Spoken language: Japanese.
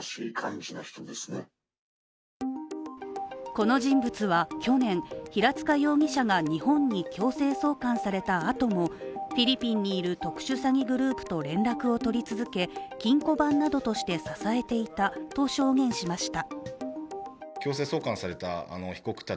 この人物は去年、平塚容疑者が日本に強制送還されたあともフィリピンにいる特殊詐欺グループと連絡を取り続け金庫番などとして支えていたと証言しました。